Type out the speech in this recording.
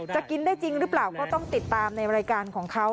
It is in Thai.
กินได้จริงหรือเปล่าก็ต้องติดตามในรายการของเขา